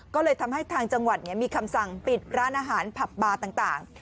ก็เลยทำให้ทางจังหวัดมีคำสั่งปิดร้านอาหารผับบาร์ต่าง